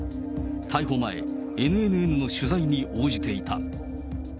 逮捕前、ＮＮＮの取材に応じていた。